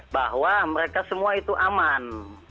bahwa mereka semua itu aman